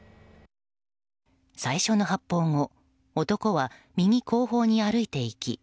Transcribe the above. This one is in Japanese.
最初の発砲後男は、右後方に歩いていき